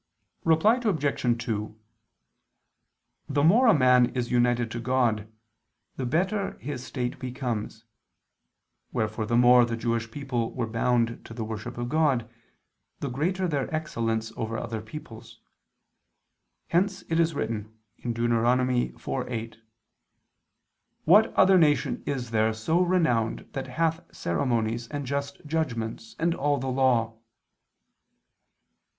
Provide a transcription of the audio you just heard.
Reply Obj. 2: The more a man is united to God, the better his state becomes: wherefore the more the Jewish people were bound to the worship of God, the greater their excellence over other peoples. Hence it is written (Deut. 4:8): "What other nation is there so renowned that hath ceremonies and just judgments, and all the law?"